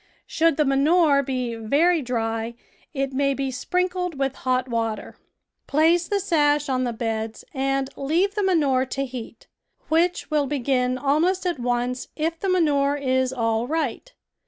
Should the manure be very dry it may be sprinkled with hot water. Place the sash on the beds and leave the manure to heat, which will begin almost at once if the manure is all right.